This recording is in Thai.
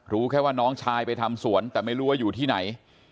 รู้แค่ว่าน้องชายไปทำสวนแต่ไม่รู้ว่าอยู่ที่ไหน